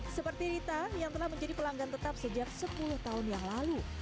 seperti rita yang telah menjadi pelanggan tetap sejak sepuluh tahun yang lalu